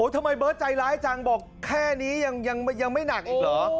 เบิร์ตใจร้ายจังบอกแค่นี้ยังไม่หนักอีกเหรอ